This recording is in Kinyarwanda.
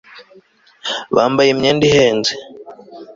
bambaye imyenda ihenze